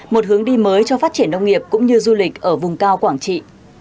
một hướng đi mới cho phát triển nông nghiệp cũng như du lịch ở vùng cao quảng trị